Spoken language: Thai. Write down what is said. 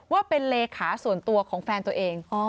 ว่าเป็นเลขาส่วนตัวของแฟนตัวเอง